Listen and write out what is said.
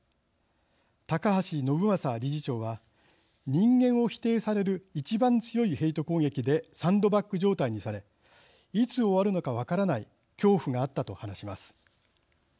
高橋伸昌理事長は人間を否定される一番強いヘイト攻撃でサンドバッグ状態にされいつ終わるのか分からない恐怖があったと話します。